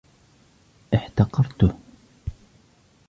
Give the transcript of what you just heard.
احتقرته.